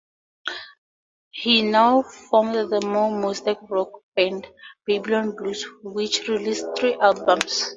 He now formed the more modest rock band "Babylon Blues" which released three albums.